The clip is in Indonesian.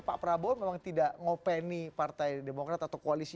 pak prabowo memang tidak ngopeni partai demokrat atau koalisi